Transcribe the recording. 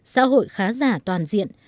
xã hội khá già toàn diện